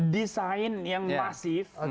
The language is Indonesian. desain yang masif